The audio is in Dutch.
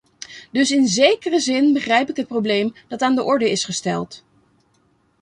Dus in zekere zin begrijp ik het probleem dat aan de orde is gesteld.